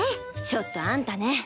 ちょっとあんたね！